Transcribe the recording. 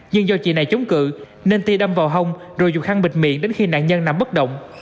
nhưng do chị này chống cự nên ti đâm vào hông rồi dùng khăn bịt miệng đến khi nạn nhân nằm bất động